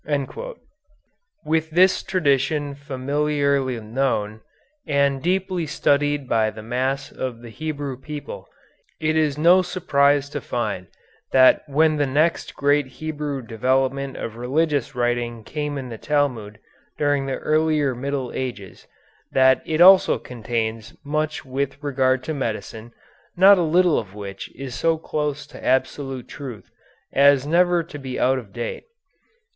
With this tradition familiarly known and deeply studied by the mass of the Hebrew people, it is no surprise to find that when the next great Hebrew development of religious writing came in the Talmud during the earlier Middle Ages, that also contains much with regard to medicine, not a little of which is so close to absolute truth as never to be out of date.